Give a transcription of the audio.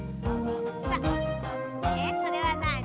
それはなに？